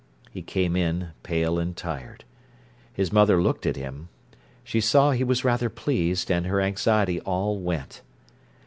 He came in pale and tired. His mother looked at him. She saw he was rather pleased, and her anxiety all went.